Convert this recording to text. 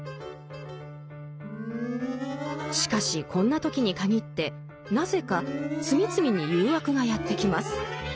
しかしこんな時に限ってなぜか次々に誘惑がやって来ます。